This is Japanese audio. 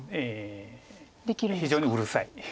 非常にうるさい。